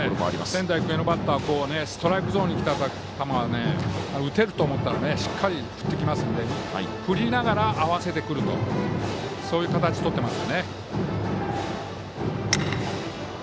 仙台育英のバッターストライクゾーンにきた球は打てると思ったらしっかり振ってきますので振りながら合わせてくる形をとっています。